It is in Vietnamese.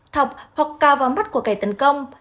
thọc hoặc cao vào mắt của kẻ tấn công